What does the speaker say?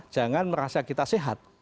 jangan merasa kita sehat